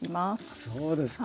あそうですか。